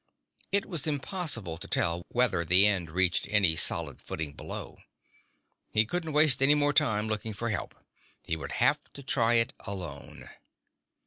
It was impossible to tell whether the end reached any solid footing below. He couldn't waste any more time looking for help. He would have to try it alone.